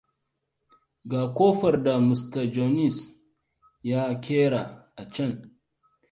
Ga ƙofar da Mr. Jones ya ƙera acan.